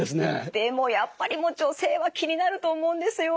でもやっぱり女性は気になると思うんですよ。